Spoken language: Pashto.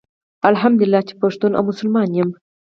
الحمدالله چي پښتون او مسلمان يم